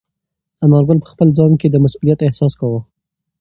انارګل په خپل ځان کې د مسؤلیت احساس کاوه.